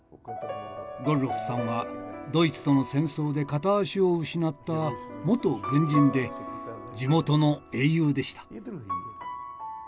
ゴルロフさんはドイツとの戦争で片足を失った元軍人で地元の英雄でした。